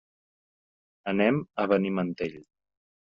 Anem a Benimantell.